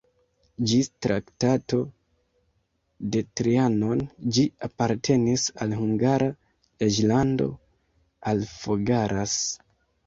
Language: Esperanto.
Ĝis Traktato de Trianon ĝi apartenis al Hungara reĝlando, al Fogaras.